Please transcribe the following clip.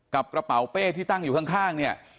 กระเป๋าเป้ที่ตั้งอยู่ข้างเนี่ย